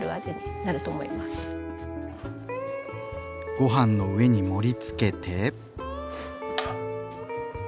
ご飯の上に盛りつけて。